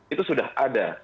itu sudah ada